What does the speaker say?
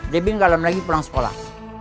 debi ngalamin lagi pulang sekolah